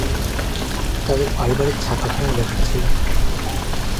তাদের পারিবারিক ছাপাখানার ব্যবসা ছিল।